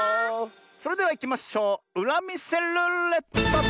それではいきましょううらみせルーレット！